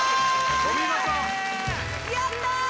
お見事やったー！